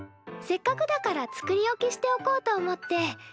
せっかくだから作り置きしておこうと思って。